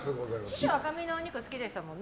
師匠赤身のお肉好きでしたもんね。